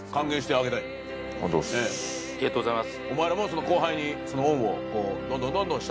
ありがとうございます。